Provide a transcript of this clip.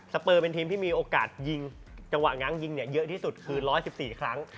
เปอร์เป็นทีมที่มีโอกาสยิงจังหวะง้างยิงเยอะที่สุดคือ๑๑๔ครั้ง